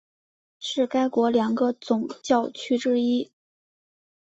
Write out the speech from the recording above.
是该国两个总教区之一。